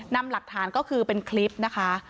นำหลักฐานก็คือเป็นคลิปนะคะ